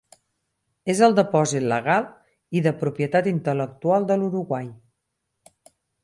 És el depòsit legal i de propietat intel·lectual de l'Uruguai.